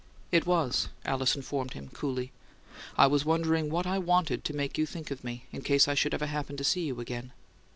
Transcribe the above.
"It was," Alice informed him, coolly. "I was wondering what I wanted to make you think of me, in case I should ever happen to see you again."